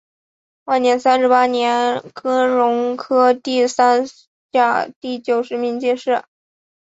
万历三十八年庚戌科第三甲第九十名进士。